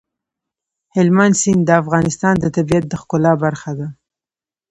هلمند سیند د افغانستان د طبیعت د ښکلا برخه ده.